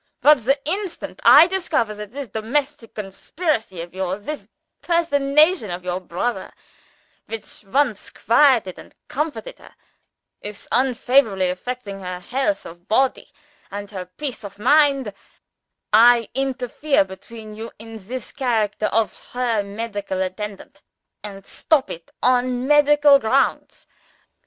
But, the instant I discover that this domestic conspiracy of yours this personation of your brother which once quieted and comforted her is unfavorably affecting her health of body and her peace of mind, I interfere between you in the character of her medical attendant, and stop it on medical grounds.